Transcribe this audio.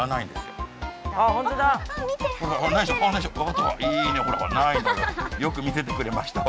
よく見せてくれました。